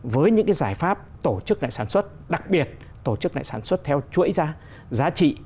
với những giải pháp tổ chức lại sản xuất đặc biệt tổ chức lại sản xuất theo chuỗi giá trị